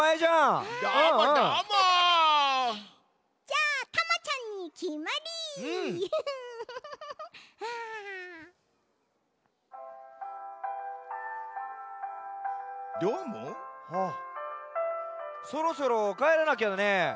あっそろそろかえらなきゃだね。